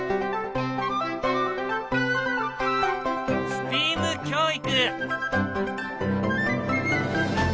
ＳＴＥＡＭ教育。